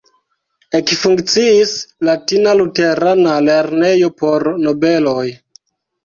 Ekfunkciis latina luterana lernejo por nobeloj.